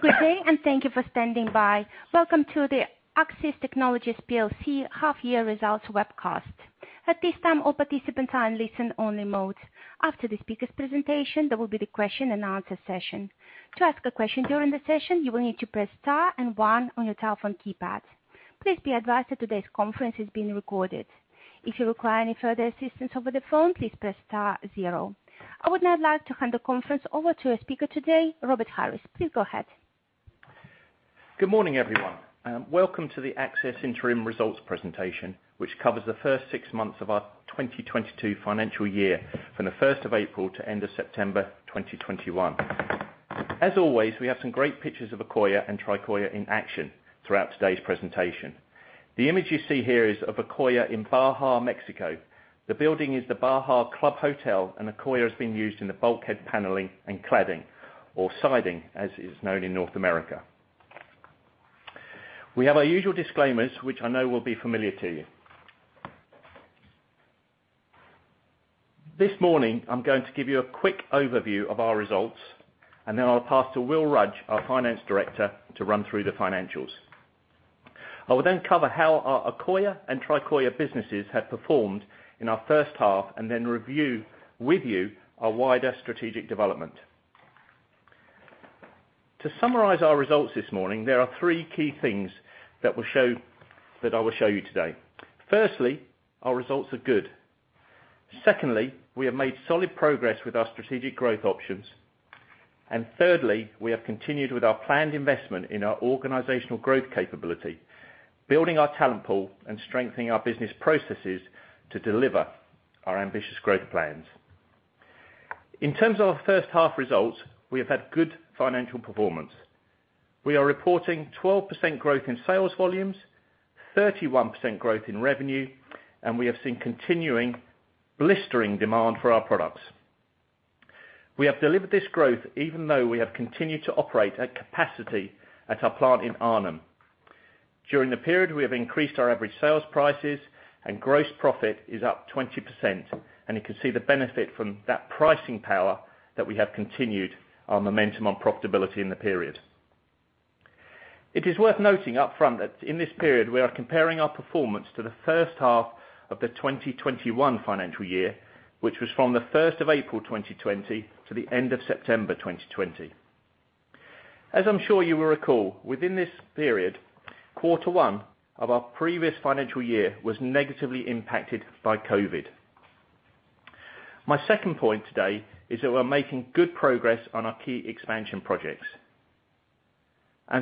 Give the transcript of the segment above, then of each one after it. Good day, and thank you for standing by. Welcome to the Accsys Technologies PLC half-year results webcast. At this time, all participants are in listen only mode. After the speaker's presentation, there will be the question and answer session. To ask a question during the session, you will need to press star and one on your telephone keypad. Please be advised that today's conference is being recorded. If you require any further assistance over the phone, please press star zero. I would now like to hand the conference over to our speaker today, Robert Harris. Please go ahead. Good morning, everyone, and welcome to the Accsys interim results presentation, which covers the first six months of our 2022 financial year from April 1 to the end of September 2021. As always, we have some great pictures of Accoya and Tricoya in action throughout today's presentation. The image you see here is of Accoya in Baja, Mexico. The building is the Baja Club Hotel, and Accoya is being used in the bulkhead paneling and cladding or siding, as it's known in North America. We have our usual disclaimers, which I know will be familiar to you. This morning, I'm going to give you a quick overview of our results, and then I'll pass to Will Rudge, our Finance Director, to run through the financials. I will then cover how our Accoya and Tricoya businesses have performed in our first half and then review with you our wider strategic development. To summarize our results this morning, there are three key things that I will show you today. Firstly, our results are good. Secondly, we have made solid progress with our strategic growth options. Thirdly, we have continued with our planned investment in our organizational growth capability, building our talent pool and strengthening our business processes to deliver our ambitious growth plans. In terms of our first half results, we have had good financial performance. We are reporting 12% growth in sales volumes, 31% growth in revenue, and we have seen continuing blistering demand for our products. We have delivered this growth even though we have continued to operate at capacity at our plant in Arnhem. During the period, we have increased our average sales prices and gross profit is up 20%, and you can see the benefit from that pricing power that we have continued our momentum on profitability in the period. It is worth noting upfront that in this period we are comparing our performance to the first half of the 2021 financial year, which was from the first of April 2020 to the end of September 2020. As I'm sure you will recall, within this period, quarter one of our previous financial year was negatively impacted by COVID. My second point today is that we're making good progress on our key expansion projects.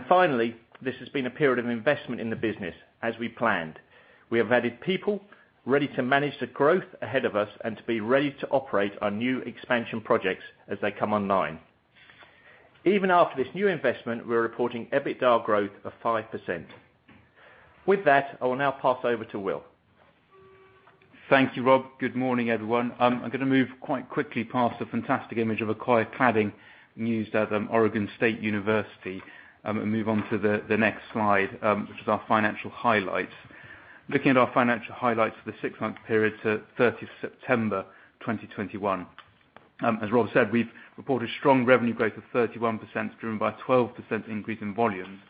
Finally, this has been a period of investment in the business as we planned. We have added people ready to manage the growth ahead of us and to be ready to operate our new expansion projects as they come online. Even after this new investment, we're reporting EBITDA growth of 5%. With that, I will now pass over to Will. Thank you, Rob. Good morning, everyone. I'm gonna move quite quickly past the fantastic image of Accoya cladding used at Oregon State University and move on to the next slide, which is our financial highlights. Looking at our financial highlights for the six-month period to 30th September 2021. As Rob said, we've reported strong revenue growth of 31% driven by a 12% increase in volume,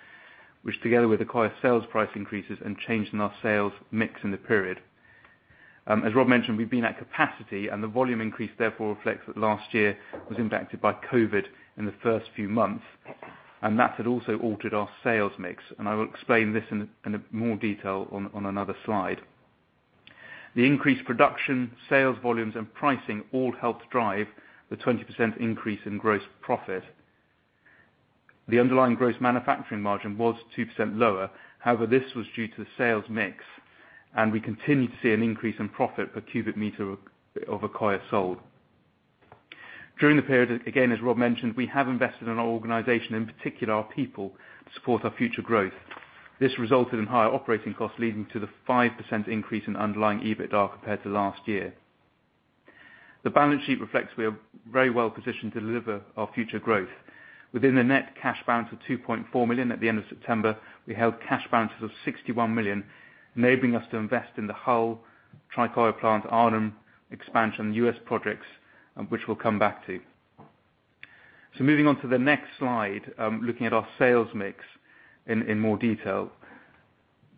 which together with Accoya sales price increases and change in our sales mix in the period. As Rob mentioned, we've been at capacity and the volume increase therefore reflects that last year was impacted by COVID in the first few months, and that had also altered our sales mix, and I will explain this in more detail on another slide. The increased production, sales volumes and pricing all helped drive the 20% increase in gross profit. The underlying gross manufacturing margin was 2% lower. However, this was due to the sales mix, and we continued to see an increase in profit per cubic meter of Accoya sold. During the period, again, as Rob mentioned, we have invested in our organization, in particular our people, to support our future growth. This resulted in higher operating costs, leading to the 5% increase in underlying EBITDA compared to last year. The balance sheet reflects we are very well positioned to deliver our future growth. Within the net cash balance of 2.4 million at the end of September, we held cash balances of 61 million, enabling us to invest in the Hull Tricoya plant, Arnhem expansion, U.S. projects, which we'll come back to. Moving on to the next slide, looking at our sales mix in more detail.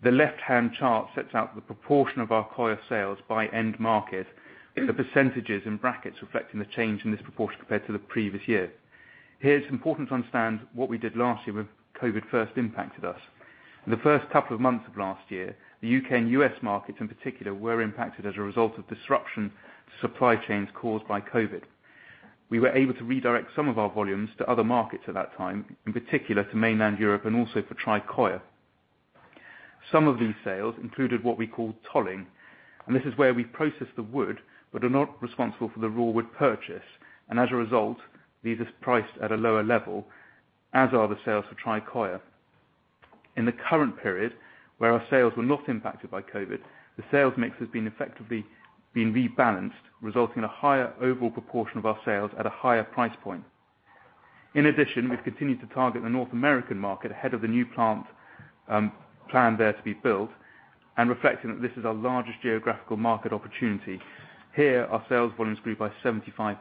The left-hand chart sets out the proportion of Accoya sales by end market, with the percentages in brackets reflecting the change in this proportion compared to the previous year. Here, it's important to understand what we did last year when COVID first impacted us. In the first couple of months of last year, the U.K. and U.S. markets in particular were impacted as a result of disruption to supply chains caused by COVID. We were able to redirect some of our volumes to other markets at that time, in particular to mainland Europe and also for Tricoya. Some of these sales included what we call tolling, and this is where we process the wood but are not responsible for the raw wood purchase, and as a result, these are priced at a lower level, as are the sales for Tricoya. In the current period, where our sales were not impacted by COVID, the sales mix has been effectively rebalanced, resulting in a higher overall proportion of our sales at a higher price point. In addition, we've continued to target the North American market ahead of the new plant plan there to be built and reflecting that this is our largest geographical market opportunity. Here, our sales volumes grew by 75%.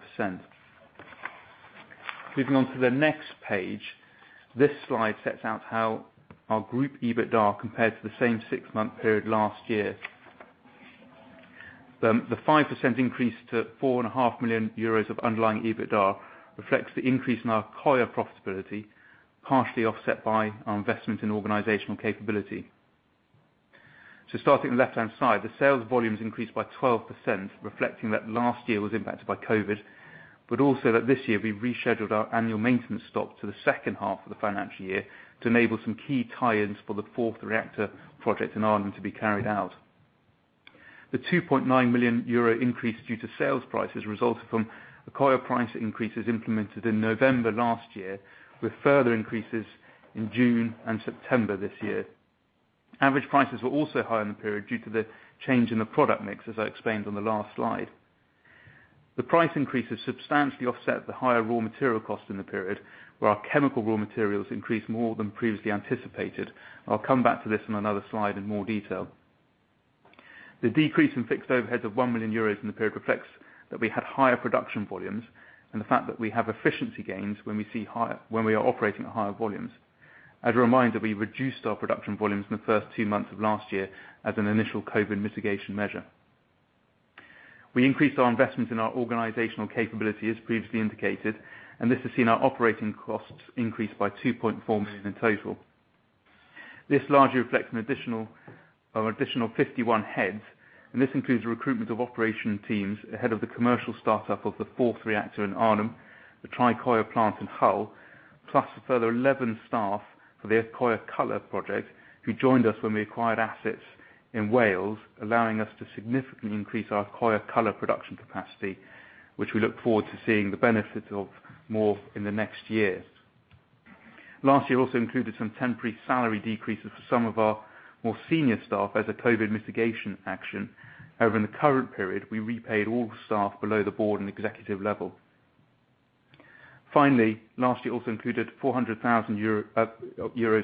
Moving on to the next page, this slide sets out how our group EBITDA compared to the same six-month period last year. The 5% increase to 4.5 million euros of underlying EBITDA reflects the increase in our higher profitability, partially offset by our investment in organizational capability. Starting on the left-hand side, the sales volumes increased by 12%, reflecting that last year was impacted by COVID, but also that this year we rescheduled our annual maintenance shutdown to the second half of the financial year to enable some key tie-ins for the fourth reactor project in Arnhem to be carried out. The 2.9 million euro increase due to sales prices resulted from Accoya price increases implemented in November last year, with further increases in June and September this year. Average prices were also higher in the period due to the change in the product mix, as I explained on the last slide. The price increases substantially offset the higher raw material cost in the period, where our chemical raw materials increased more than previously anticipated. I'll come back to this in another slide in more detail. The decrease in fixed overheads of 1 million euros in the period reflects that we had higher production volumes and the fact that we have efficiency gains when we are operating at higher volumes. As a reminder, we reduced our production volumes in the first two months of last year as an initial COVID mitigation measure. We increased our investment in our organizational capability, as previously indicated, and this has seen our operating costs increase by 2.4 million in total. This largely reflects an additional 51 heads, and this includes the recruitment of operation teams ahead of the commercial startup of the fourth reactor in Arnhem, the Tricoya plant in Hull, plus a further 11 staff for the Accoya Color project, who joined us when we acquired assets in Wales, allowing us to significantly increase our Accoya Color production capacity, which we look forward to seeing the benefits of more in the next years. Last year also included some temporary salary decreases for some of our more senior staff as a COVID mitigation action. However, in the current period, we repaid all the staff below the board and executive level. Finally, last year also included 400,000 euro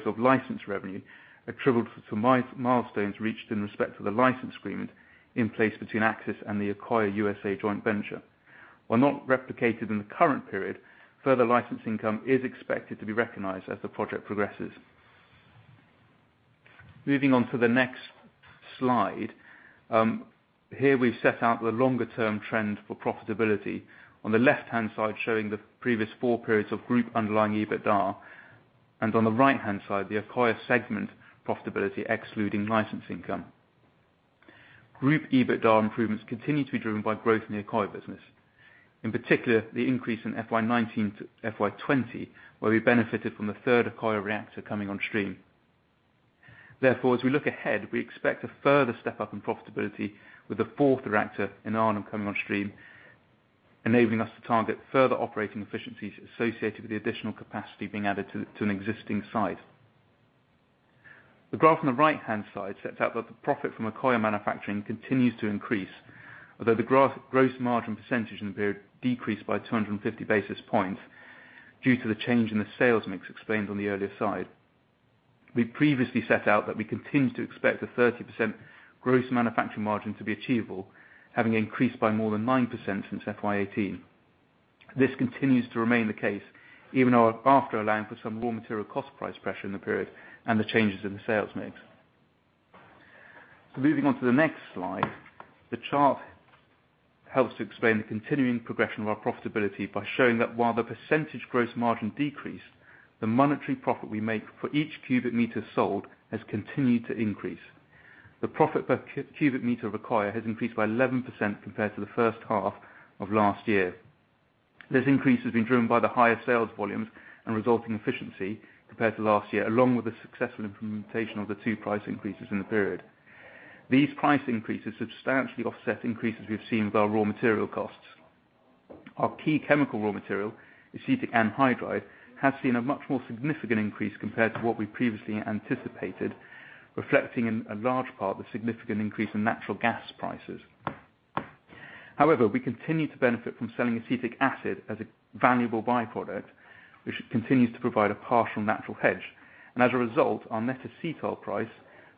of license revenue attributed to milestones reached in respect to the license agreement in place between Accsys and the Accoya USA joint venture. While not replicated in the current period, further license income is expected to be recognized as the project progresses. Moving on to the next slide, here we've set out the longer-term trend for profitability. On the left-hand side, showing the previous four periods of group underlying EBITDA, and on the right-hand side, the Accoya segment profitability excluding license income. Group EBITDA improvements continue to be driven by growth in the Accoya business. In particular, the increase in FY 2019 to FY 2020, where we benefited from the third Accoya reactor coming on stream. Therefore, as we look ahead, we expect a further step-up in profitability with the fourth reactor in Arnhem coming on stream, enabling us to target further operating efficiencies associated with the additional capacity being added to an existing site. The graph on the right-hand side sets out that the profit from Accoya manufacturing continues to increase, although the gross margin percentage in the period decreased by 250 basis points due to the change in the sales mix explained on the earlier side. We previously set out that we continue to expect a 30% gross manufacturing margin to be achievable, having increased by more than 9% since FY 2018. This continues to remain the case, even after allowing for some raw material cost price pressure in the period and the changes in the sales mix. Moving on to the next slide, the chart helps to explain the continuing progression of our profitability by showing that while the percentage gross margin decreased, the monetary profit we make for each cubic meter sold has continued to increase. The profit per cubic meter of Accoya has increased by 11% compared to the first half of last year. This increase has been driven by the higher sales volumes and resulting efficiency compared to last year, along with the successful implementation of the 2 price increases in the period. These price increases substantially offset increases we've seen with our raw material costs. Our key chemical raw material, acetic anhydride, has seen a much more significant increase compared to what we previously anticipated, reflecting in a large part the significant increase in natural gas prices. However, we continue to benefit from selling acetic acid as a valuable by-product, which continues to provide a partial natural hedge. As a result, our net acetyl price,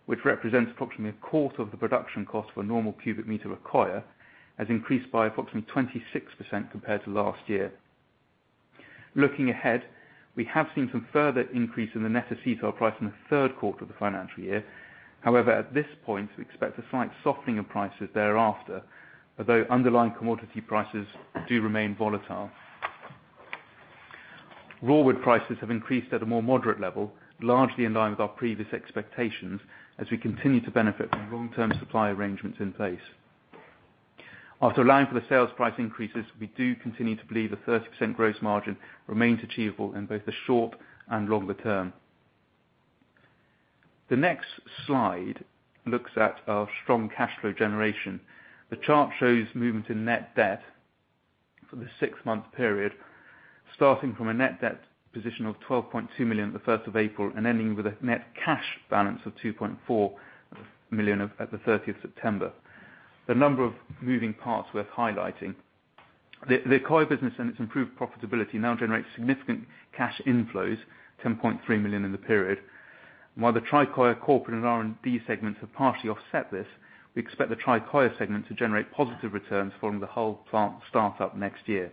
which represents approximately a quarter of the production cost for a normal cubic meter of Accoya, has increased by approximately 26% compared to last year. Looking ahead, we have seen some further increase in the net acetyl price in the third quarter of the financial year. However, at this point, we expect a slight softening of prices thereafter, although underlying commodity prices do remain volatile. Raw wood prices have increased at a more moderate level, largely in line with our previous expectations as we continue to benefit from long-term supply arrangements in place. After allowing for the sales price increases, we do continue to believe a 30% gross margin remains achievable in both the short and longer term. The next slide looks at our strong cash flow generation. The chart shows movement in net debt for the six-month period, starting from a net debt position of 12.2 million on the first of April and ending with a net cash balance of 2.4 million at the thirtieth of September. There are a number of moving parts worth highlighting. The Accoya business and its improved profitability now generates significant cash inflows, 10.3 million in the period. While the Tricoya corporate and R&D segments have partially offset this, we expect the Tricoya segment to generate positive returns following the whole plant start-up next year.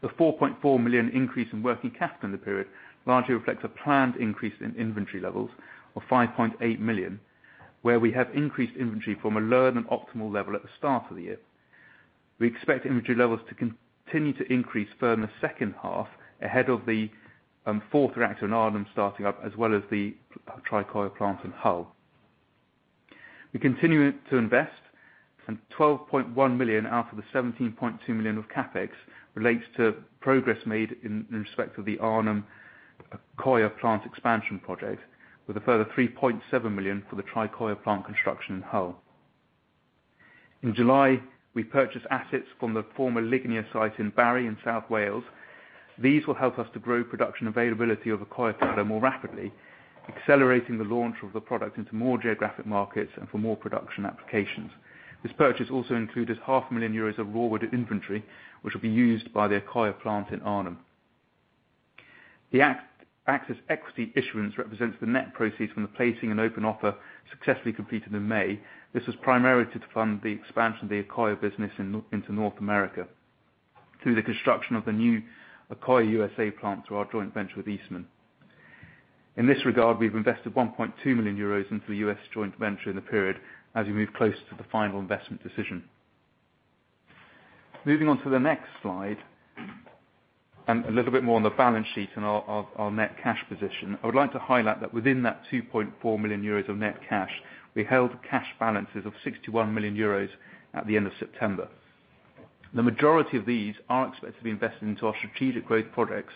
The 4.4 million increase in working capital in the period largely reflects a planned increase in inventory levels of 5.8 million, where we have increased inventory from a low and optimal level at the start of the year. We expect inventory levels to continue to increase further second half ahead of the fourth reactor in Arnhem starting up, as well as the Tricoya plant in Hull. We continue to invest and 12.1 million out of the 17.2 million of CapEx relates to progress made in respect to the Arnhem Accoya plant expansion project, with a further 3.7 million for the Tricoya plant construction in Hull. In July, we purchased assets from the former Lignia site in Barry in South Wales. These will help us to grow production availability of Accoya more rapidly, accelerating the launch of the product into more geographic markets and for more production applications. This purchase also included half a million euros of raw wood inventory, which will be used by the Accoya plant in Arnhem. The Accsys equity issuance represents the net proceeds from the placing and open offer successfully completed in May. This was primarily to fund the expansion of the Accoya business into North America through the construction of the new Accoya USA plant through our joint venture with Eastman. In this regard, we've invested 1.2 million euros into the U.S. joint venture in the period as we move close to the final investment decision. Moving on to the next slide, and a little bit more on the balance sheet and our net cash position. I would like to highlight that within that 2.4 million euros of net cash, we held cash balances of 61 million euros at the end of September. The majority of these are expected to be invested into our strategic growth projects,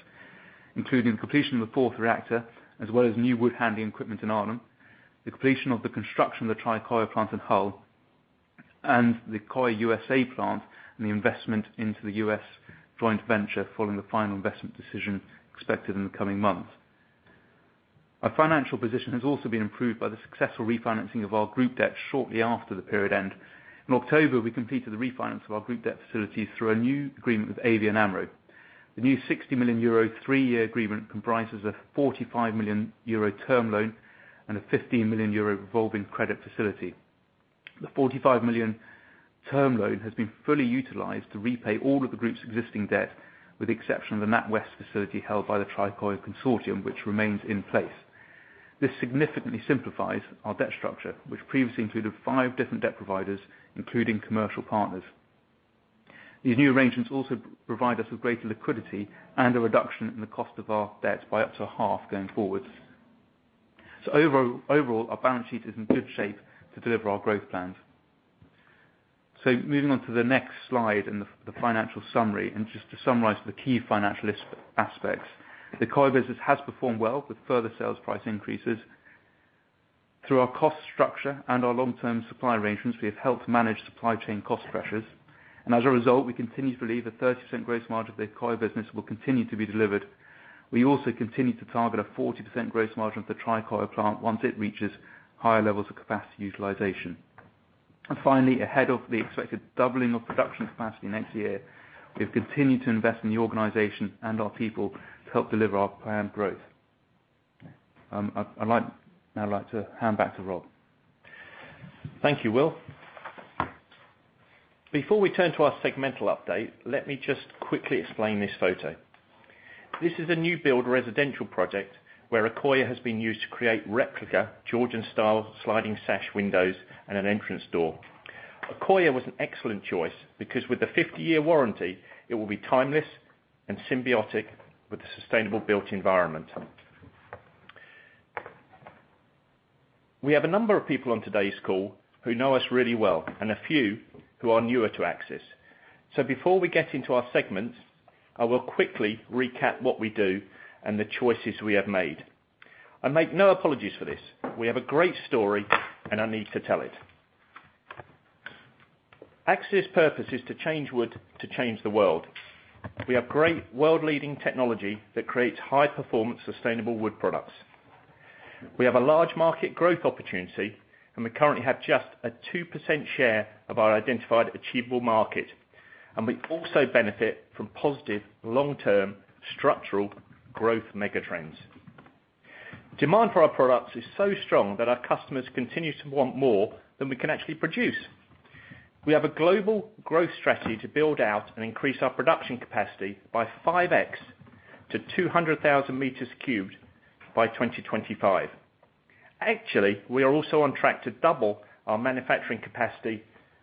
including completion of the fourth reactor, as well as new wood handling equipment in Arnhem, the completion of the construction of the Tricoya plant in Hull, and the Accoya USA plant, and the investment into the U.S. joint venture following the final investment decision expected in the coming months. Our financial position has also been improved by the successful refinancing of our group debt shortly after the period end. In October, we completed the refinance of our group debt facilities through a new agreement with ABN AMRO. The new 60 million euro three-year agreement comprises a 45 million euro term loan and a 15 million euro revolving credit facility. The 45 million term loan has been fully utilized to repay all of the group's existing debt, with the exception of the NatWest facility held by the Tricoya consortium, which remains in place. This significantly simplifies our debt structure, which previously included five different debt providers, including commercial partners. These new arrangements also provide us with greater liquidity and a reduction in the cost of our debt by up to a half going forward. Overall, our balance sheet is in good shape to deliver our growth plans. Moving on to the next slide and the financial summary, and just to summarize the key financial aspects. The Accoya business has performed well with further sales price increases. Through our cost structure and our long-term supply arrangements, we have helped manage supply chain cost pressures, and as a result, we continue to believe a 30% gross margin of the Accoya business will continue to be delivered. We also continue to target a 40% gross margin for Tricoya plant once it reaches higher levels of capacity utilization. Finally, ahead of the expected doubling of production capacity next year, we've continued to invest in the organization and our people to help deliver our planned growth. I'd now like to hand back to Rob. Thank you, Will. Before we turn to our segmental update, let me just quickly explain this photo. This is a new build residential project where Accoya has been used to create replica Georgian style sliding sash windows and an entrance door. Accoya was an excellent choice because with the 50-year warranty, it will be timeless and symbiotic with the sustainable built environment. We have a number of people on today's call who know us really well and a few who are newer to Accsys. Before we get into our segments, I will quickly recap what we do and the choices we have made. I make no apologies for this. We have a great story, and I need to tell it. Accsys' purpose is to change wood to change the world. We have great world-leading technology that creates high-performance, sustainable wood products. We have a large market growth opportunity, and we currently have just a 2% share of our identified achievable market, and we also benefit from positive long-term structural growth megatrends. Demand for our products is so strong that our customers continue to want more than we can actually produce. We have a global growth strategy to build out and increase our production capacity by 5x to 200,000 cubic meters by 2025. Actually, we are also on track to double our manufacturing capacity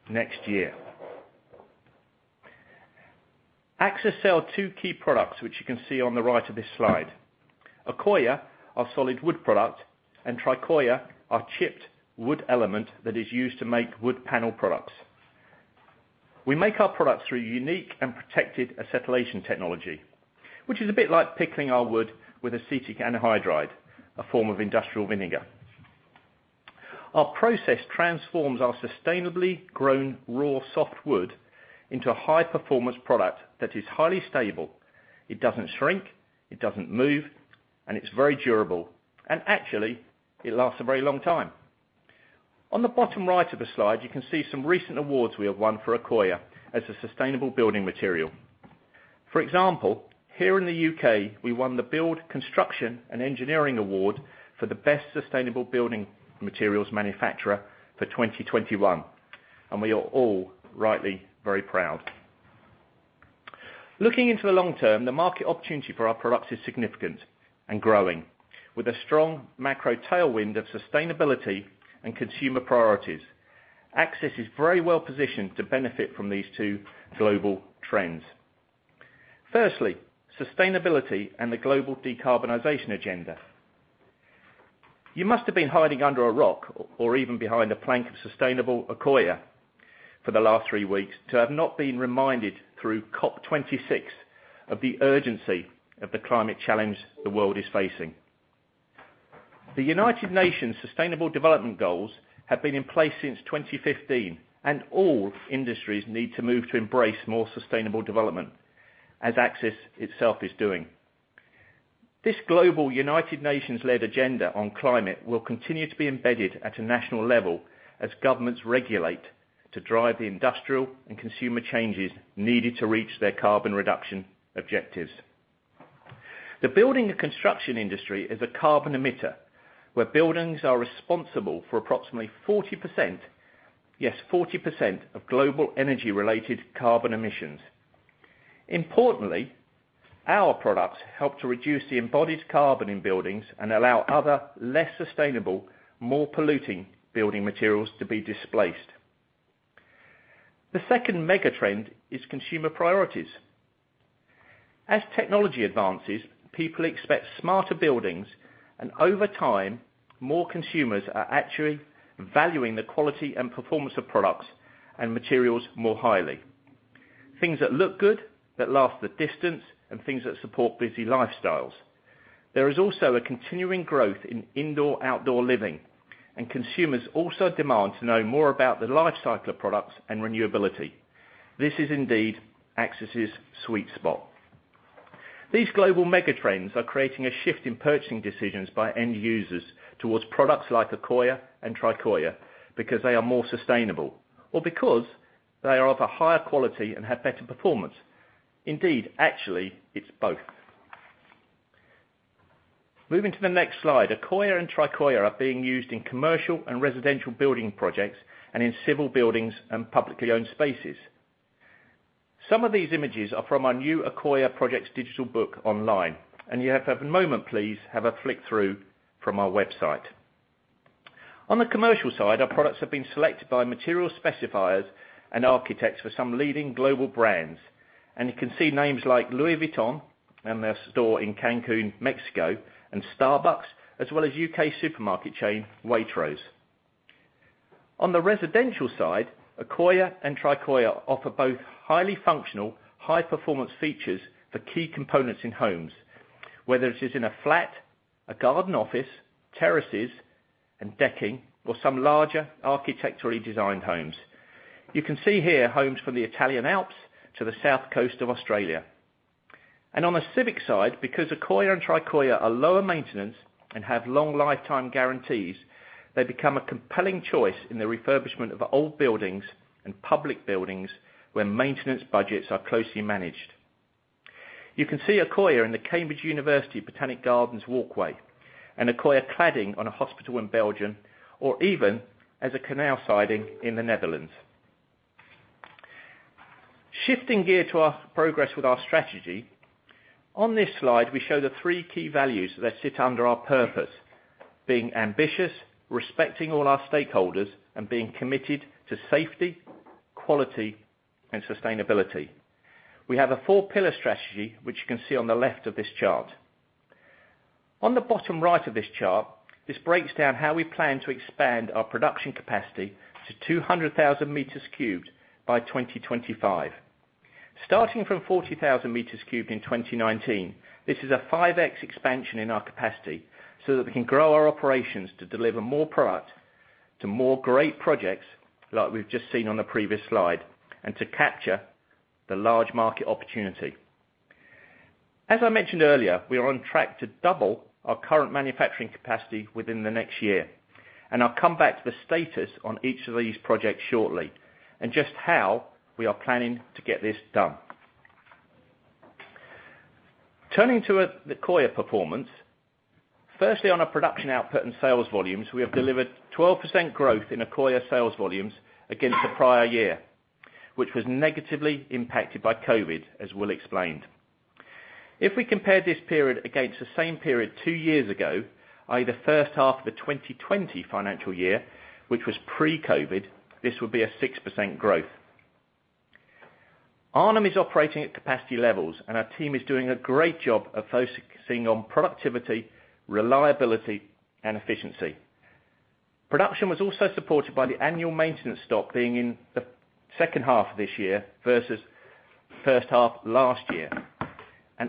next year. Accsys sells two key products, which you can see on the right of this slide. Accoya, our solid wood product, and Tricoya, our chipped wood element that is used to make wood panel products. We make our products through unique and protected acetylation technology, which is a bit like pickling our wood with acetic anhydride, a form of industrial vinegar. Our process transforms our sustainably grown raw soft wood into a high-performance product that is highly stable. It doesn't shrink, it doesn't move, and it's very durable. Actually, it lasts a very long time. On the bottom right of the slide, you can see some recent awards we have won for Accoya as a sustainable building material. For example, here in the U.K., we won the BUILD Construction & Engineering Award for the best sustainable building materials manufacturer for 2021, and we are all rightly very proud. Looking into the long term, the market opportunity for our products is significant and growing. With a strong macro tailwind of sustainability and consumer priorities. Accsys is very well positioned to benefit from these two global trends. Firstly, sustainability and the global decarbonization agenda. You must have been hiding under a rock or even behind a plank of sustainable Accoya for the last three weeks to have not been reminded through COP26 of the urgency of the climate challenge the world is facing. The United Nations sustainable development goals have been in place since 2015, and all industries need to move to embrace more sustainable development as Accsys itself is doing. This global United Nations-led agenda on climate will continue to be embedded at a national level as governments regulate to drive the industrial and consumer changes needed to reach their carbon reduction objectives. The building and construction industry is a carbon emitter, where buildings are responsible for approximately 40%, yes, 40% of global energy-related carbon emissions. Importantly, our products help to reduce the embodied carbon in buildings and allow other, less sustainable, more polluting building materials to be displaced. The second mega trend is consumer priorities. As technology advances, people expect smarter buildings, and over time, more consumers are actually valuing the quality and performance of products and materials more highly. Things that look good, that last the distance, and things that support busy lifestyles. There is also a continuing growth in indoor-outdoor living, and consumers also demand to know more about the life cycle of products and renewability. This is indeed Accsys's sweet spot. These global mega trends are creating a shift in purchasing decisions by end users towards products like Accoya and Tricoya because they are more sustainable or because they are of a higher quality and have better performance. Indeed, actually, it's both. Moving to the next slide, Accoya and Tricoya are being used in commercial and residential building projects and in civil buildings and publicly owned spaces. Some of these images are from our new Accoya Projects digital book online, if you have a moment, please, have a flick through from our website. On the commercial side, our products have been selected by material specifiers and architects for some leading global brands. You can see names like Louis Vuitton and their store in Cancún, Mexico, and Starbucks, as well as U.K. supermarket chain, Waitrose. On the residential side, Accoya and Tricoya offer both highly functional, high-performance features for key components in homes, whether it is in a flat, a garden office, terraces, and decking or some larger architecturally designed homes. You can see here homes from the Italian Alps to the south coast of Australia. On the civic side, because Accoya and Tricoya are lower maintenance and have long lifetime guarantees, they become a compelling choice in the refurbishment of old buildings and public buildings where maintenance budgets are closely managed. You can see Accoya in the Cambridge University Botanic Gardens walkway, and Accoya cladding on a hospital in Belgium, or even as a canal siding in the Netherlands. Shifting gear to our progress with our strategy, on this slide, we show the three key values that sit under our purpose, being ambitious, respecting all our stakeholders, and being committed to safety, quality, and sustainability. We have a four-pillar strategy, which you can see on the left of this chart. On the bottom right of this chart, this breaks down how we plan to expand our production capacity to 200,000 cubic meters by 2025. Starting from 40,000 cubic meters in 2019, this is a 5x expansion in our capacity so that we can grow our operations to deliver more product to more great projects like we've just seen on the previous slide and to capture the large market opportunity. As I mentioned earlier, we are on track to double our current manufacturing capacity within the next year, and I'll come back to the status on each of these projects shortly and just how we are planning to get this done. Turning to the Accoya performance. Firstly, on our production output and sales volumes, we have delivered 12% growth in Accoya sales volumes against the prior year, which was negatively impacted by COVID, as Will explained. If we compare this period against the same period two years ago, i.e the first half of the 2020 financial year, which was pre-COVID, this would be a 6% growth. Arnhem is operating at capacity levels, and our team is doing a great job of focusing on productivity, reliability, and efficiency. Production was also supported by the annual maintenance stop being in the second half of this year versus first half last year.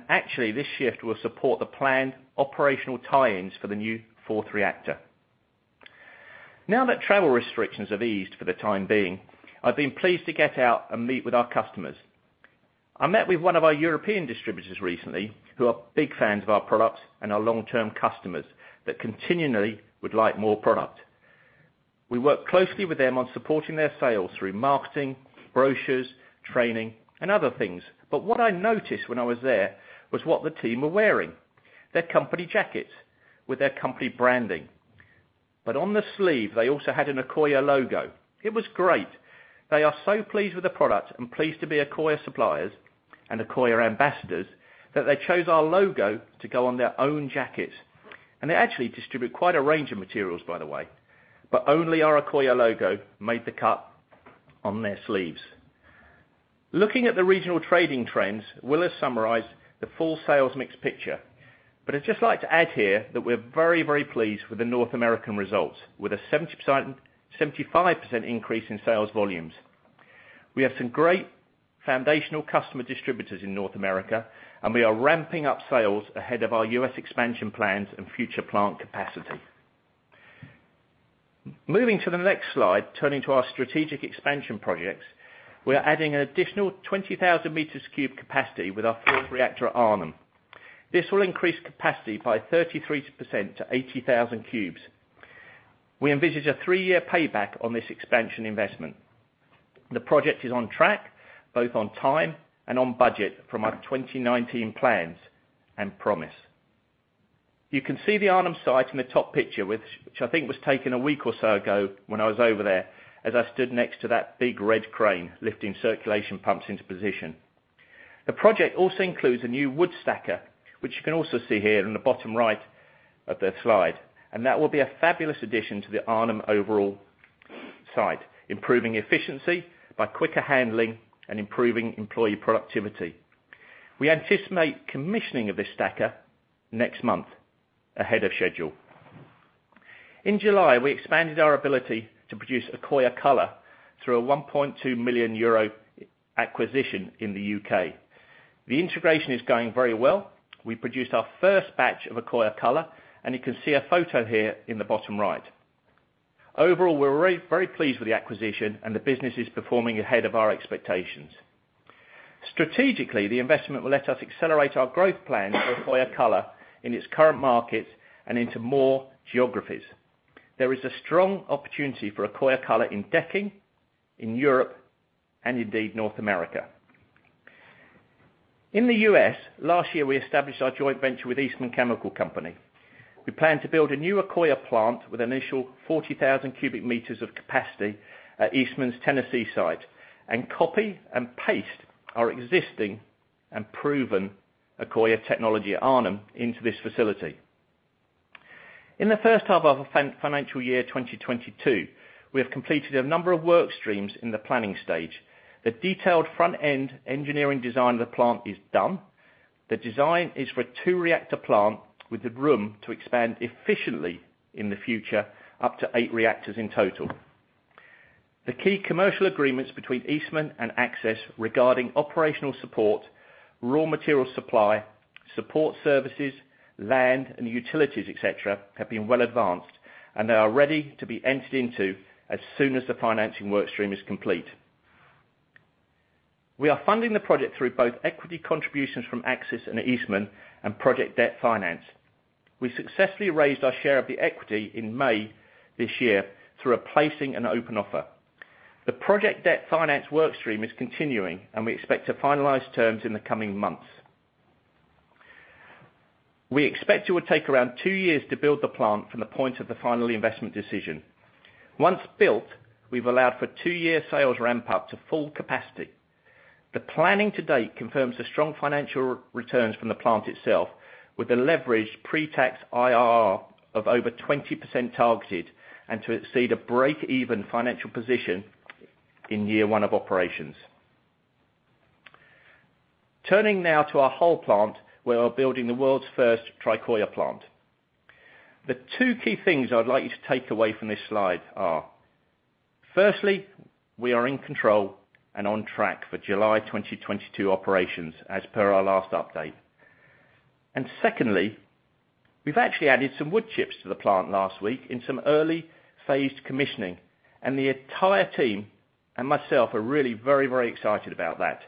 Actually, this shift will support the planned operational tie-ins for the new fourth reactor. Now that travel restrictions have eased for the time being, I've been pleased to get out and meet with our customers. I met with one of our European distributors recently who are big fans of our products and are long-term customers that continually would like more product. We work closely with them on supporting their sales through marketing, brochures, training, and other things. What I noticed when I was there was what the team were wearing, their company jackets with their company branding. On the sleeve, they also had an Accoya logo. It was great. They are so pleased with the product and pleased to be Accoya suppliers and Accoya ambassadors that they chose our logo to go on their own jackets. They actually distribute quite a range of materials, by the way, but only our Accoya logo made the cut on their sleeves. Looking at the regional trading trends, Will has summarized the full sales mix picture. I'd just like to add here that we're very, very pleased with the North American results, with a 75% increase in sales volumes. We have some great foundational customer distributors in North America, and we are ramping up sales ahead of our U.S. expansion plans and future plant capacity. Moving to the next slide, turning to our strategic expansion projects, we are adding an additional 20,000 cubic meters capacity with our fourth reactor at Arnhem. This will increase capacity by 33% to 80,000 cubic meters. We envisage a 3-year payback on this expansion investment. The project is on track, both on time and on budget from our 2019 plans and promise. You can see the Arnhem site in the top picture, which I think was taken a week or so ago when I was over there, as I stood next to that big red crane lifting circulation pumps into position. The project also includes a new wood stacker, which you can also see here in the bottom right of the slide, and that will be a fabulous addition to the Arnhem overall site, improving efficiency by quicker handling and improving employee productivity. We anticipate commissioning of this stacker next month ahead of schedule. In July, we expanded our ability to produce Accoya Color through a 1.2 million euro acquisition in the U.K. The integration is going very well. We produced our first batch of Accoya Color, and you can see a photo here in the bottom right. Overall, we're very pleased with the acquisition, and the business is performing ahead of our expectations. Strategically, the investment will let us accelerate our growth plans for Accoya Color in its current markets and into more geographies. There is a strong opportunity for Accoya Color in decking, in Europe, and indeed, North America. In the U.S., last year, we established our joint venture with Eastman Chemical Company. We plan to build a new Accoya plant with an initial 40,000 cubic meters of capacity at Eastman's Tennessee site and copy and paste our existing and proven Accoya technology at Arnhem into this facility. In the first half of our financial year, 2022, we have completed a number of work streams in the planning stage. The detailed front-end engineering design of the plant is done. The design is for a two-reactor plant with the room to expand efficiently in the future, up to eight reactors in total. The key commercial agreements between Eastman and Accsys regarding operational support, raw material supply, support services, land and utilities, et cetera, have been well advanced, and they are ready to be entered into as soon as the financing work stream is complete. We are funding the project through both equity contributions from Accsys and Eastman and project debt finance. We successfully raised our share of the equity in May this year through a placing and open offer. The project debt finance work stream is continuing, and we expect to finalize terms in the coming months. We expect it would take around two years to build the plant from the point of the final investment decision. Once built, we've allowed for two-year sales ramp up to full capacity. The planning to date confirms the strong financial returns from the plant itself, with a leveraged pre-tax IRR of over 20% targeted and to exceed a break-even financial position in year one of operations. Turning now to our Hull plant, where we're building the world's first Tricoya plant. The two key things I'd like you to take away from this slide are, firstly, we are in control and on track for July 2022 operations as per our last update. And secondly, we've actually added some wood chips to the plant last week in some early phased commissioning, and the entire team and myself are really very, very excited about that.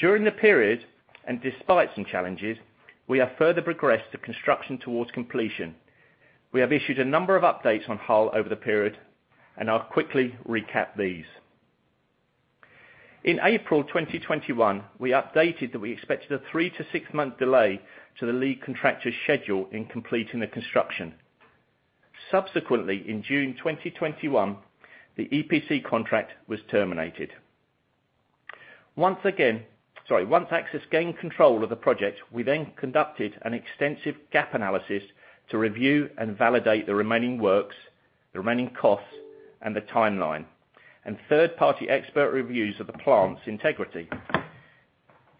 During the period and despite some challenges, we have further progressed the construction towards completion. We have issued a number of updates on Hull over the period, and I'll quickly recap these. In April 2021, we updated that we expected a 3- to 6-month delay to the lead contractor's schedule in completing the construction. Subsequently, in June 2021, the EPC contract was terminated. Once Accsys gained control of the project, we then conducted an extensive gap analysis to review and validate the remaining works, the remaining costs, and the timeline, and third-party expert reviews of the plant's integrity.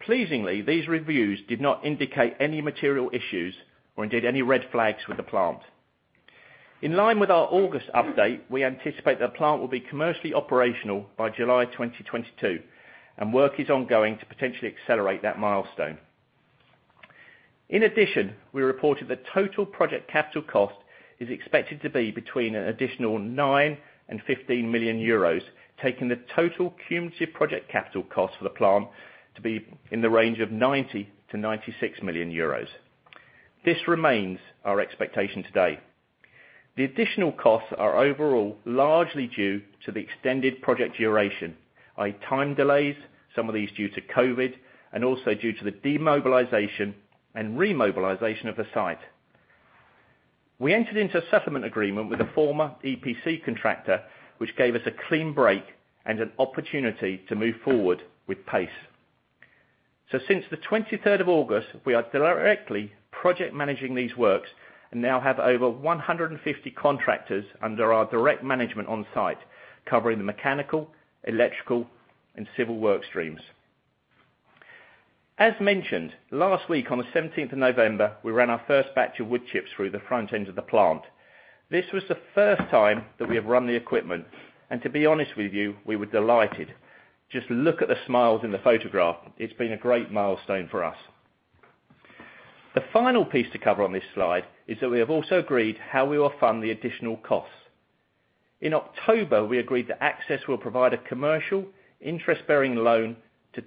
Pleasingly, these reviews did not indicate any material issues or indeed any red flags with the plant. In line with our August update, we anticipate the plant will be commercially operational by July 2022, and work is ongoing to potentially accelerate that milestone. In addition, we reported the total project capital cost is expected to be between an additional 9 million and 15 million euros, taking the total cumulative project capital cost for the plant to be in the range of 90 million-96 million euros. This remains our expectation today. The additional costs are overall largely due to the extended project duration, i.e., time delays, some of these due to COVID, and also due to the demobilization and remobilization of the site. We entered into a settlement agreement with a former EPC contractor, which gave us a clean break and an opportunity to move forward with pace. Since the 23rd of August, we are directly project managing these works and now have over 150 contractors under our direct management on site, covering the mechanical, electrical, and civil work streams. As mentioned, last week on the 17th of November, we ran our first batch of wood chips through the front end of the plant. This was the first time that we have run the equipment, and to be honest with you, we were delighted. Just look at the smiles in the photograph. It's been a great milestone for us. The final piece to cover on this slide is that we have also agreed how we will fund the additional costs. In October, we agreed that Accsys will provide a commercial interest-bearing loan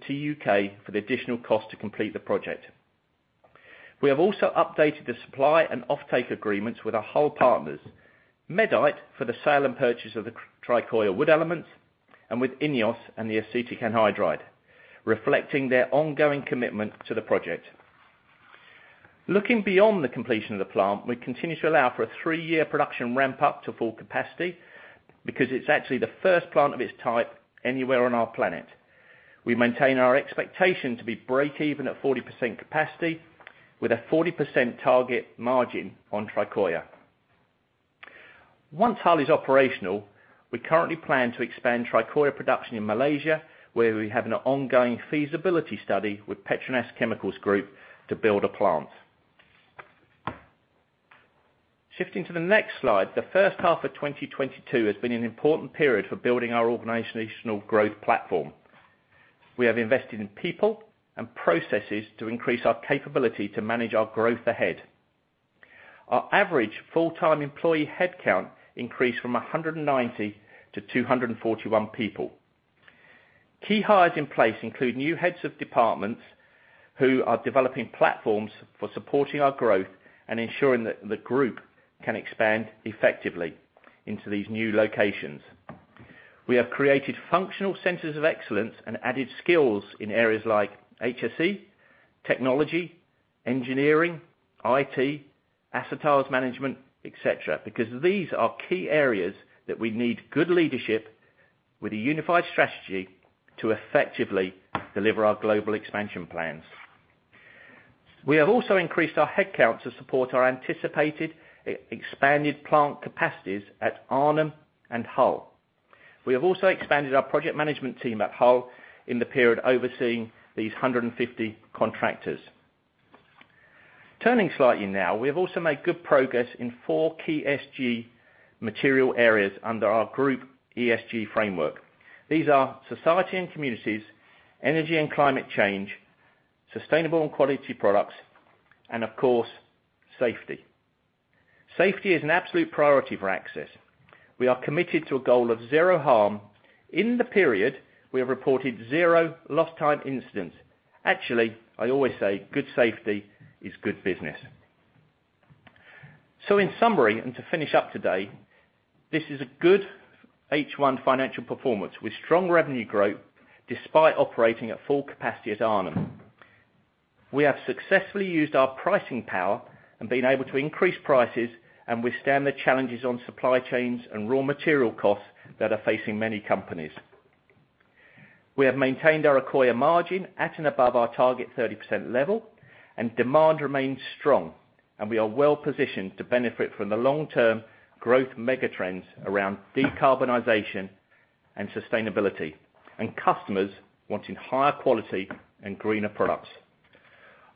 to U.K. for the additional cost to complete the project. We have also updated the supply and offtake agreements with our whole partners, Medite, for the sale and purchase of the Tricoya wood elements, and with INEOS and the acetic anhydride, reflecting their ongoing commitment to the project. Looking beyond the completion of the plant, we continue to allow for a three-year production ramp-up to full capacity because it's actually the first plant of its type anywhere on our planet. We maintain our expectation to be breakeven at 40% capacity with a 40% target margin on Tricoya. Once Hull is operational, we currently plan to expand Tricoya production in Malaysia, where we have an ongoing feasibility study with PETRONAS Chemicals Group to build a plant. Shifting to the next slide, the first half of 2022 has been an important period for building our organizational growth platform. We have invested in people and processes to increase our capability to manage our growth ahead. Our average full-time employee headcount increased from 190 to 241 people. Key hires in place include new heads of departments who are developing platforms for supporting our growth and ensuring that the group can expand effectively into these new locations. We have created functional centers of excellence and added skills in areas like HSE, technology, engineering, IT, asset lifecycle management, et cetera, because these are key areas that we need good leadership with a unified strategy to effectively deliver our global expansion plans. We have also increased our headcount to support our anticipated expanded plant capacities at Arnhem and Hull. We have also expanded our project management team at Hull in the period overseeing these 150 contractors. Turning slightly now, we have also made good progress in four key ESG material areas under our group ESG framework. These are society and communities, energy and climate change, sustainable and quality products, and of course, safety. Safety is an absolute priority for Accsys. We are committed to a goal of zero harm. In the period, we have reported zero lost time incidents. Actually, I always say good safety is good business. In summary, and to finish up today, this is a good H1 financial performance with strong revenue growth despite operating at full capacity at Arnhem. We have successfully used our pricing power and been able to increase prices and withstand the challenges on supply chains and raw material costs that are facing many companies. We have maintained our Accoya margin at and above our target 30% level, and demand remains strong. We are well-positioned to benefit from the long-term growth mega-trends around decarbonization and sustainability, and customers wanting higher quality and greener products.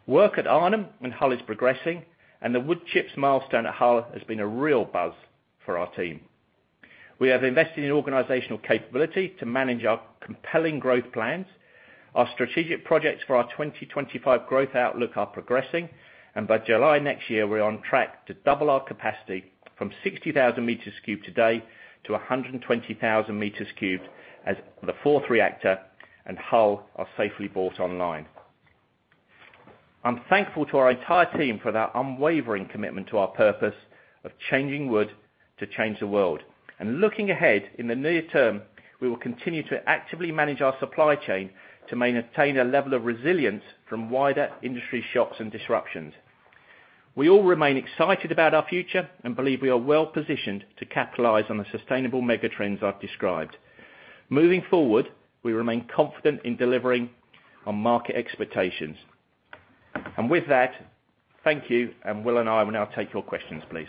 Work at Arnhem and Hull is progressing, and the wood chips milestone at Hull has been a real buzz for our team. We have invested in organizational capability to manage our compelling growth plans. Our strategic projects for our 2025 growth outlook are progressing, and by July next year, we're on track to double our capacity from 60,000 m³ today to 120,000 m³ as the fourth reactor at Hull is safely brought online. I'm thankful to our entire team for their unwavering commitment to our purpose of changing wood to change the world. Looking ahead in the near term, we will continue to actively manage our supply chain to maintain a level of resilience from wider industry shocks and disruptions. We all remain excited about our future and believe we are well-positioned to capitalize on the sustainable mega trends I've described. Moving forward, we remain confident in delivering on market expectations. With that, thank you, and Will and I will now take your questions, please.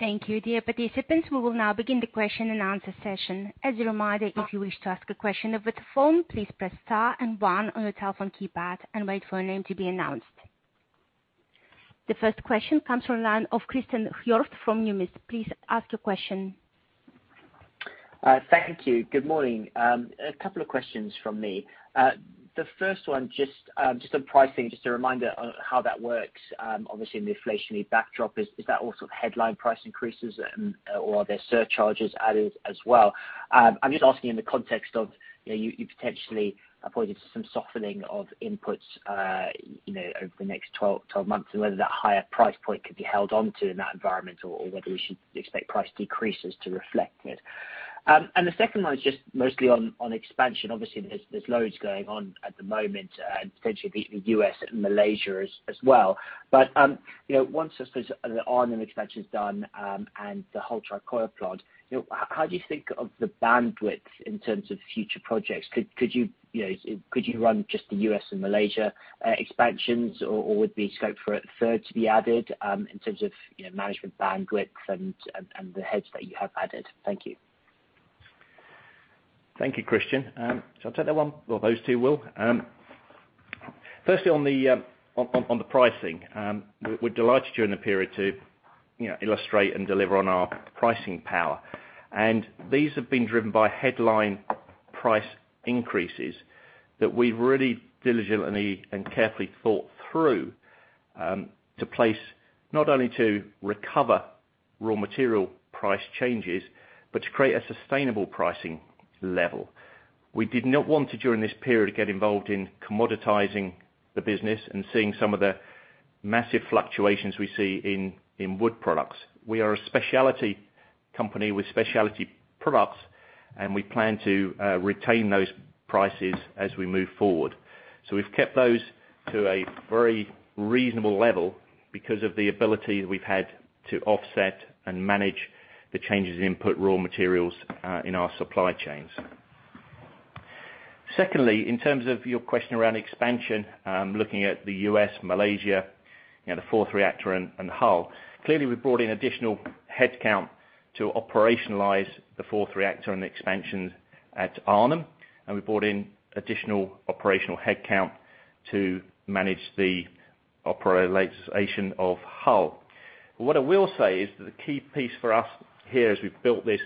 Thank you, dear participants. We will now begin the question and answer session. As a reminder, if you wish to ask a question over the phone, please press star and one on your telephone keypad and wait for your name to be announced. The first question comes from the line of Christen Hjorth from Numis. Please ask your question. Thank you. Good morning. A couple of questions from me. The first one, just on pricing, just a reminder on how that works, obviously in the inflationary backdrop, is that all sort of headline price increases, or are there surcharges added as well? I'm just asking in the context of, you know, you potentially pointed to some softening of inputs, you know, over the next 12 months and whether that higher price point could be held onto in that environment or whether we should expect price decreases to reflect it. The second one is just mostly on expansion. Obviously, there's loads going on at the moment, potentially the U.S. and Malaysia as well. You know, once the Arnhem expansion is done, and the Hull Tricoya plant, you know, how do you think of the bandwidth in terms of future projects? Could you know, run just the U.S. and Malaysia expansions or would the scope for a third to be added, in terms of, you know, management bandwidth and the heads that you have added? Thank you. Thank you, Christian. Shall I take that one or those two, Will? Firstly on the pricing, we're delighted during the period to, you know, illustrate and deliver on our pricing power. These have been driven by headline price increases that we've really diligently and carefully thought through to place not only to recover raw material price changes but to create a sustainable pricing level. We did not want to, during this period, get involved in commoditizing the business and seeing some of the massive fluctuations we see in wood products. We are a specialty company with specialty products, and we plan to retain those prices as we move forward. We've kept those to a very reasonable level because of the ability we've had to offset and manage the changes in input raw materials in our supply chains. Secondly, in terms of your question around expansion, looking at the U.S., Malaysia, you know, the fourth reactor and Hull. Clearly we brought in additional headcount to operationalize the fourth reactor and the expansion at Arnhem, and we brought in additional operational headcount to manage the operationalization of Hull. But what I will say is that the key piece for us here as we've built this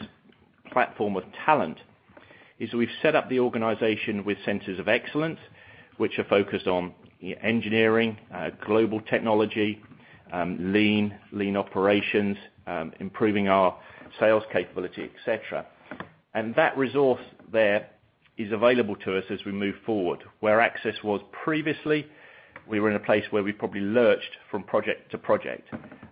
platform of talent, is we've set up the organization with centers of excellence, which are focused on engineering, global technology, lean operations, improving our sales capability, et cetera. That resource there is available to us as we move forward. Where Accsys was previously, we were in a place where we probably lurched from project to project,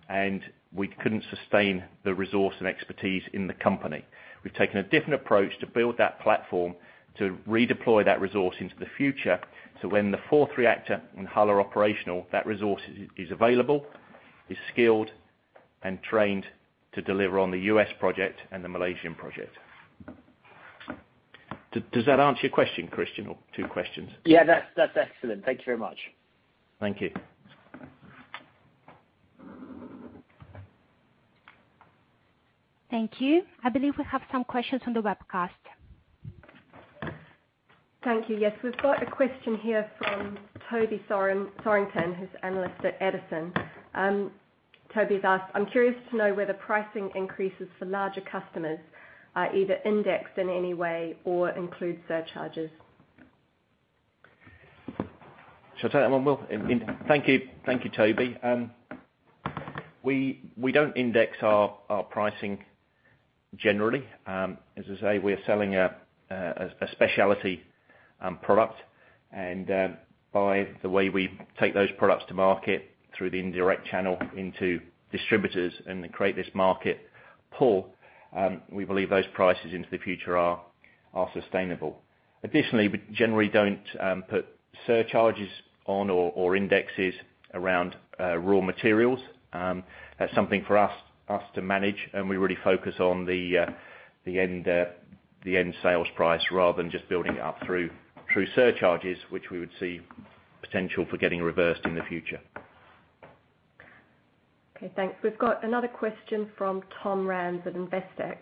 and we couldn't sustain the resource and expertise in the company. We've taken a different approach to build that platform, to redeploy that resource into the future, so when the fourth reactor and Hull are operational, that resource is available, is skilled and trained to deliver on the U.S. project and the Malaysian project. Does that answer your question, Christian, or two questions? Yeah, that's excellent. Thank you very much. Thank you. Thank you. I believe we have some questions on the webcast. Thank you. Yes. We've got a question here from Toby Thorrington, who's an analyst at Edison. Toby's asked, I'm curious to know whether pricing increases for larger customers are either indexed in any way or include surcharges. Shall I take that one, Will? Thank you. Thank you, Toby. We don't index our pricing generally. As I say, we are selling a specialty product, and by the way we take those products to market through the indirect channel into distributors and then create this market pull. We believe those prices into the future are sustainable. Additionally, we generally don't put surcharges on or indexes around raw materials. That's something for us to manage, and we really focus on the end sales price rather than just building it up through surcharges, which we would see potential for getting reversed in the future. Okay, thanks. We've got another question from Tom Rands at Investec.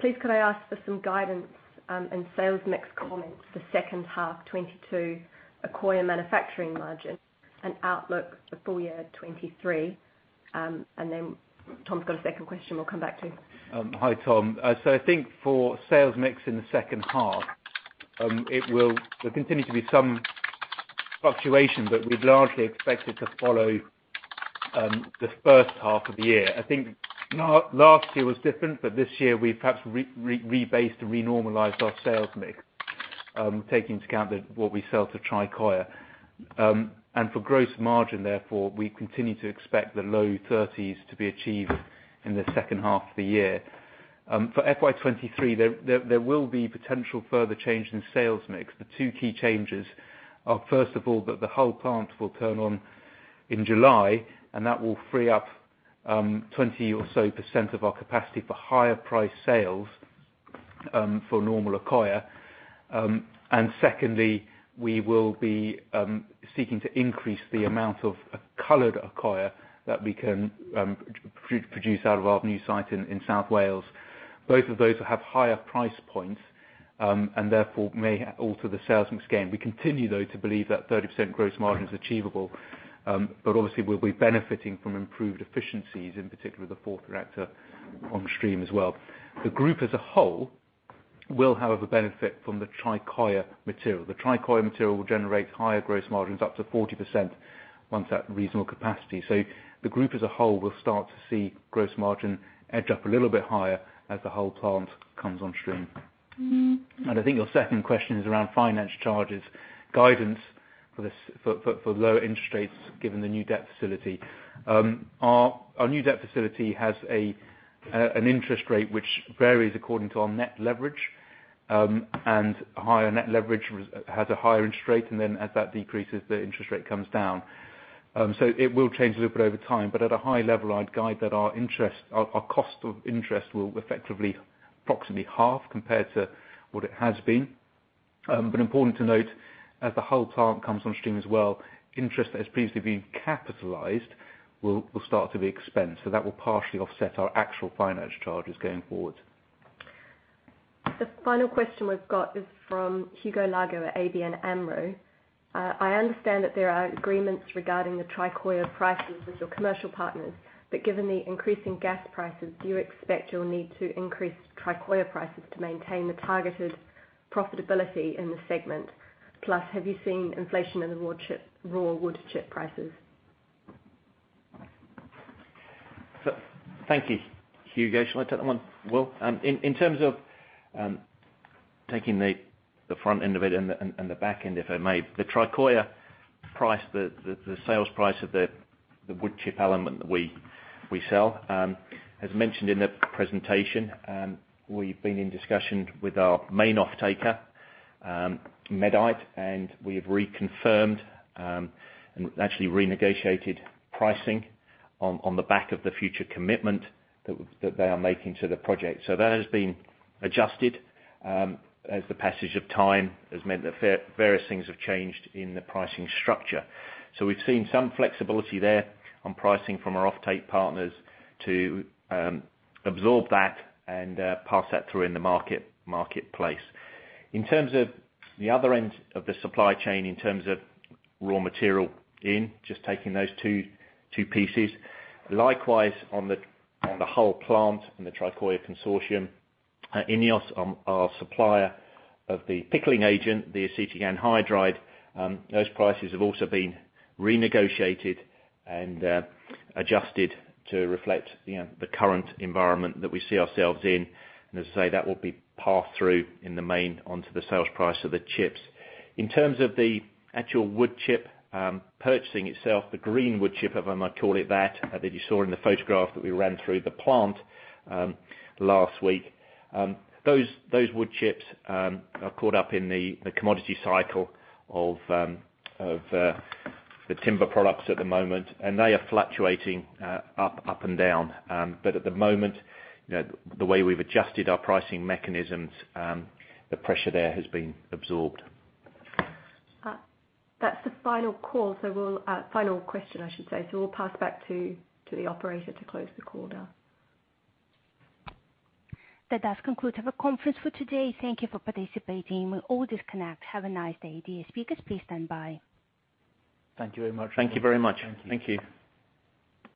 Please could I ask for some guidance, and sales mix comments for second half 2022 Accoya manufacturing margin and outlook for full year 2023? Tom's got a second question we'll come back to. Hi, Tom. I think for sales mix in the second half, it will continue to be some fluctuation, but we'd largely expect it to follow the first half of the year. I think last year was different, but this year we've perhaps rebased and renormalized our sales mix, taking into account what we sell to Tricoya. For gross margin, therefore, we continue to expect the low 30s% to be achieved in the second half of the year. For FY 2023, there will be potential further change in sales mix. The two key changes are, first of all, that the Hull plant will turn on in July, and that will free up 20% or so of our capacity for higher price sales for normal Accoya. Secondly, we will be seeking to increase the amount of colored Accoya that we can produce out of our new site in South Wales. Both of those have higher price points and therefore may alter the sales mix gain. We continue though to believe that 30% gross margin's achievable. But obviously, we'll be benefiting from improved efficiencies, in particular the fourth reactor on stream as well. The group as a whole will, however, benefit from the Tricoya material. The Tricoya material will generate higher gross margins up to 40% once at reasonable capacity. The group as a whole will start to see gross margin edge up a little bit higher as the whole plant comes on stream. I think your second question is around finance charges. Guidance for this, for lower interest rates given the new debt facility. Our new debt facility has an interest rate which varies according to our net leverage. Higher net leverage has a higher interest rate, and then as that decreases, the interest rate comes down. It will change a little bit over time, but at a high level, I'd guide that our interest cost will effectively approximately halve compared to what it has been. Important to note, as the whole plant comes on stream as well, interest that has previously been capitalized will start to be expensed, so that will partially offset our actual finance charges going forward. The final question we've got is from Hugo Lago at ABN AMRO. I understand that there are agreements regarding the Tricoya prices with your commercial partners, but given the increasing gas prices, do you expect you'll need to increase Tricoya prices to maintain the targeted profitability in the segment? Plus, have you seen inflation in the raw wood chip prices? Thank you, Hugo. Shall I take that one, Will? In terms of taking the front end of it and the back end, if I may. The Tricoya price, the sales price of the wood chip element that we sell, as mentioned in the presentation, we've been in discussions with our main offtaker, Medite, and we have reconfirmed and actually renegotiated pricing on the back of the future commitment that they are making to the project. That has been adjusted, as the passage of time has meant that various things have changed in the pricing structure. We've seen some flexibility there on pricing from our offtake partners to absorb that and pass that through in the marketplace. In terms of the other end of the supply chain, in terms of raw material in, just taking those two pieces, likewise on the whole plant and the Tricoya consortium, INEOS, our supplier of the pickling agent, the acetic anhydride, those prices have also been renegotiated and adjusted to reflect, you know, the current environment that we see ourselves in. As I say, that will be passed through in the main onto the sales price of the chips. In terms of the actual wood chip purchasing itself, the green wood chip, if I might call it that you saw in the photograph that we ran through the plant last week, those wood chips are caught up in the commodity cycle of the timber products at the moment, and they are fluctuating up and down. At the moment, you know, the way we've adjusted our pricing mechanisms, the pressure there has been absorbed. That's the final question, I should say. We'll pass back to the operator to close the call now. That does conclude our conference for today. Thank you for participating. We'll all disconnect. Have a nice day. Dear speakers, please stand by. Thank you very much. Thank you.